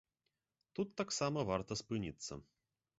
Тут таксама варта спыніцца.